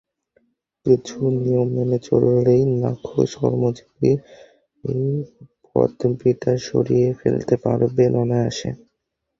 কিছু নিয়ম মেনে চললেই নাখোশ কর্মজীবী পদবিটা সরিয়ে ফেলতে পারবেন অনায়াসেই।